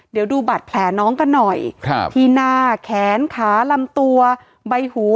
เดี๋ยวดูบัตรแผลน้องกันหน่อยครับที่หน้าแขนขาลำตัวใบหู